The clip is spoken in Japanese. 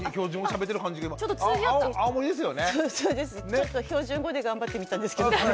ちょっと標準語で頑張ってみたんですけど。